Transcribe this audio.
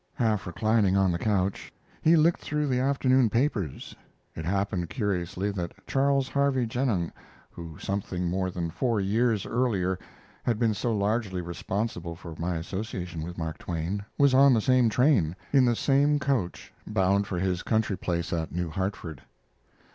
Half reclining on the couch, he looked through the afternoon papers. It happened curiously that Charles Harvey Genung, who, something more than four years earlier, had been so largely responsible for my association with Mark Twain, was on the same train, in the same coach, bound for his country place at New Hartford.